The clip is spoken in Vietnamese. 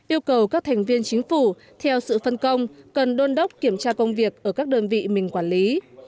yêu cầu các thành viên chính phủ theo sự phân công cần đôn đốc kiểm tra công việc ở các đơn vị mình quản lý